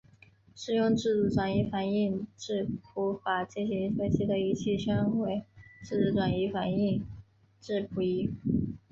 使用质子转移反应质谱法进行分析的仪器称为质子转移反应质谱仪。